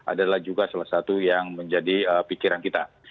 adalah juga salah satu yang menjadi pikiran kita